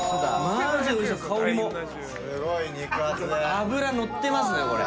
脂乗ってますねこれ。